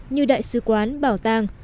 như đại sứ quán bảo tàng